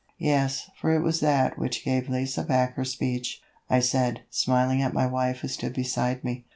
"Yes, for it was that which gave Lise back her speech," I said, smiling at my wife who stood beside me.